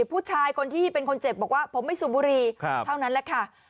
ผู้ชายคนที่เป็นคนเจ็บบอกว่าผมไม่สูบบุรีเท่านั้นแหละค่ะ